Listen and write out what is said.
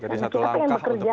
jadi satu langkah untuk menyudahi